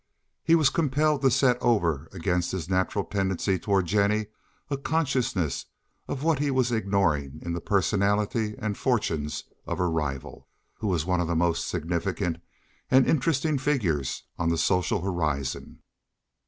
He was compelled to set over against his natural tendency toward Jennie a consciousness of what he was ignoring in the personality and fortunes of her rival, who was one of the most significant and interesting figures on the social horizon.